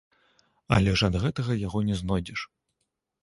Але ж ад гэтага яго не знойдзеш.